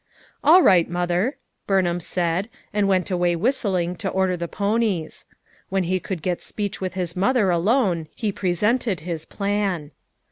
"All right, Mother," Burnham said and went away whistling to order the ponies. When he could get speech with his mother alone he presented his plan.